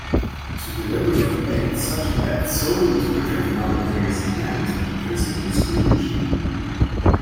To deliberately make such a bet solely to protect another player's hand constitutes collusion.